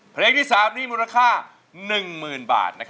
เพลงที่๓นี้มูลค่า๑๐๐๐บาท